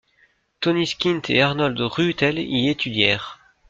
Tõnis Kint et Arnold Rüütel y étudièrent.